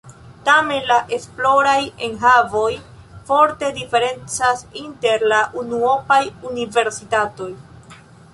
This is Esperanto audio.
Tamen la esploraj enhavoj forte diferencas inter la unuopaj universitatoj.